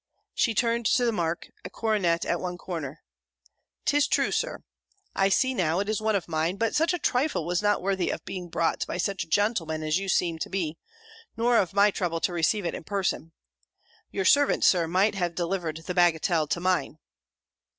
She turned to the mark; a coronet at one corner, "'Tis true, Sir, I see now it is one of mine: but such a trifle was not worthy of being brought by such a gentleman as you seem to be; nor of my trouble to receive it in person. Your servant, Sir, might have delivered the bagatelle to mine."